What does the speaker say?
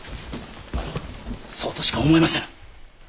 そうとしか思えません。